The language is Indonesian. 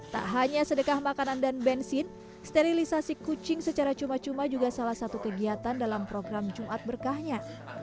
tak hanya sedekah makanan dan bensin sterilisasi kucing secara cuma cuma juga salah satu kegiatan dalam program jumat berkahnya